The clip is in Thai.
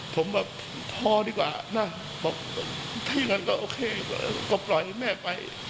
ผมแบบพอดีกว่านะบอกถ้าอย่างนั้นก็โอเคก็ปล่อยแม่ไป